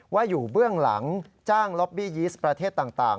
อยู่เบื้องหลังจ้างล็อบบียีสประเทศต่าง